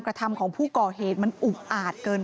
ปี๖๕วันเช่นเดียวกัน